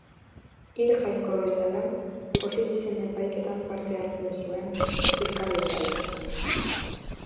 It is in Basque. Hil jainko bezala, Osirisen epaiketan parte hartzen zuen, fiskal bezala.